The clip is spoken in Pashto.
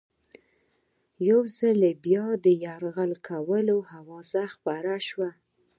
یو ځل بیا د یرغل کولو آوازه خپره شوه.